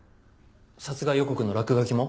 殺害予告の落書きも？